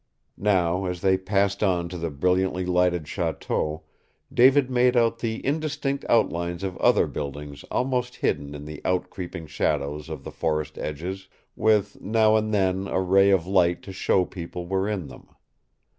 Now, as they passed on to the brilliantly lighted chateau, David made out the indistinct outlines of other buildings almost hidden in the out creeping shadows of the forest edges, with now and then a ray of light to show people were in them.